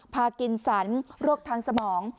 ภากินสรรค์โรคทางสมอง